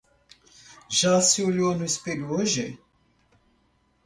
Já se olhou no espelho hoje?